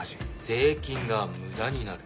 税金が無駄になる。